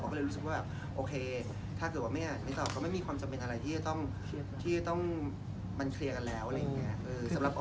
ก็เลยรู้สึกว่าแบบโอเคถ้าเกิดว่าไม่อ่านไม่ตอบก็ไม่มีความจำเป็นอะไรที่จะต้องมันเคลียร์กันแล้วอะไรอย่างนี้